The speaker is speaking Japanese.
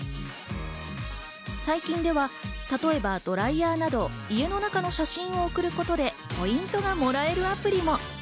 最近では例えばドライヤーなど家の中の写真を送ることでポイントがもらえるアプリも。